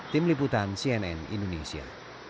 tim liputan cnn indonesia